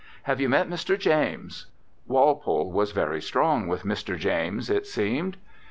"Have you met Mr. James?" Walpole was very strong with Mr. James, it seemed.